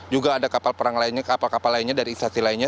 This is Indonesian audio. juga ada kapal perang lainnya kapal kapal lainnya dari instasi lainnya